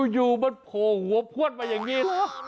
อยู่มันโผล่หัวพวดมาอย่างนี้